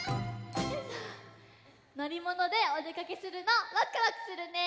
のりものでおでかけするのワクワクするね！